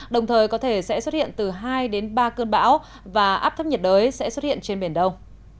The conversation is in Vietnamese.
đồng thời có thể sẽ xuất hiện từ hai đến ba cơn bão và áp thấp nhiệt đới sẽ xuất hiện trên biển đông